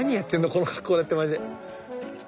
この格好でってマジで。